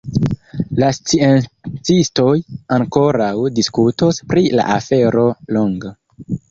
La sciencistoj ankoraŭ diskutos pri la afero longe.